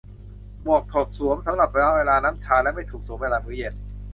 หมวกถูกสวมสำหรับเวลาน้ำชาและไม่ถูกสวมเวลามื้อเย็น